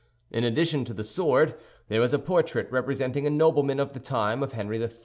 In addition to the sword, there was a portrait representing a nobleman of the time of Henry III.